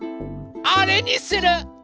あれにする！